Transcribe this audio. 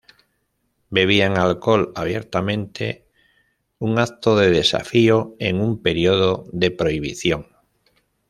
Bebían alcohol abiertamente, un acto de desafío en un período de prohibición.